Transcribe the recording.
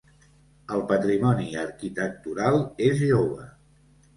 El patrimoni arquitectural és jove.